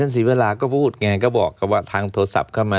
ศรีวราก็พูดไงก็บอกกับว่าทางโทรศัพท์เข้ามา